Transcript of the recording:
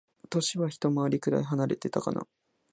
歳はひと回りくらい離れてたかな。